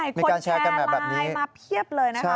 คนแชร์กันไลน์มาเพียบเลยนะคะ